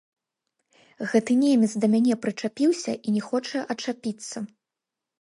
Гэты немец да мяне прычапіўся і не хоча адчапіцца.